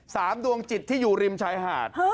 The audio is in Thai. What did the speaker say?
ดวงจิตที่อยู่ริมชายหาด